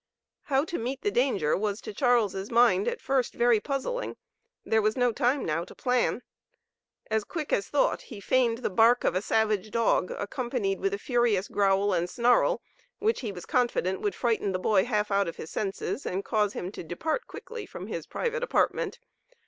How to meet the danger was to Charles' mind at first very puzzling, there was no time now to plan. As quick as thought he feigned the bark of a savage dog accompanied with a furious growl and snarl which he was confident would frighten the boy half out of his senses, and cause him to depart quickly from his private apartment.